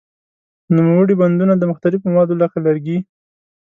نوموړي بندونه د مختلفو موادو لکه لرګي.